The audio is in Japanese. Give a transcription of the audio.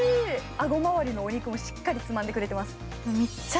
顎まわりのお肉もしっかりつかんでくれてます。